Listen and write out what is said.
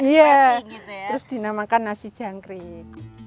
iya terus dinamakan nasi jangkrik